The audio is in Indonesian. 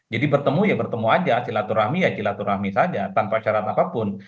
jadi bertemu ya bertemu saja silaturahmi ya silaturahmi saja tanpa syarat apapun